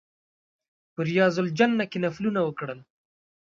په ریاض الجنه کې نفلونه وکړل.